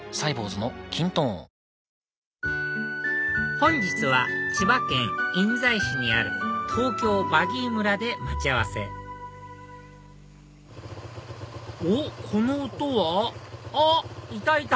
本日は千葉県印西市にある東京バギー村で待ち合わせおっこの音はあっいたいた！